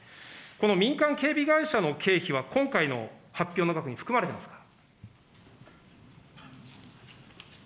この民間警備会社の経費は今回の発表の額に含まれていますか。